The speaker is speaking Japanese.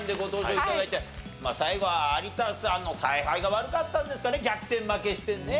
最後は有田さんの采配が悪かったんですかね逆転負けしてね。